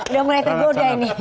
udah mulai tergoda ini